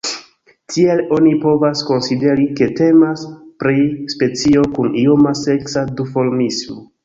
Tiele oni povas konsideri, ke temas pri specio kun ioma seksa duformismo.